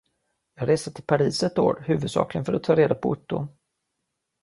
Jag reste till Paris ett år huvudsakligen för att ta reda på Otto.